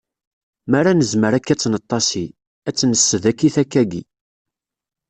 Mi ara nezmer akka ad tt-neṭṭasi, ad tt-nessed akkit akkayi.